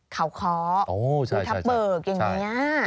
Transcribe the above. ขาวค้อมีทะเบิกอย่างนี้